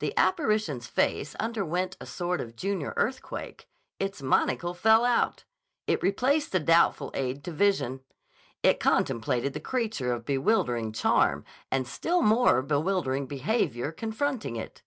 The apparition's face underwent a sort of junior earthquake. Its monocle fell out. It replaced the doubtful aid to vision. It contemplated the creature of bewildering charm and still more bewildering behavior confronting it.